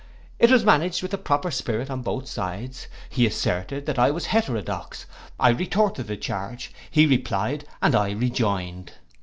It was managed with proper spirit on both sides: he asserted that I was heterodox, I retorted the charge: he replied, and I rejoined.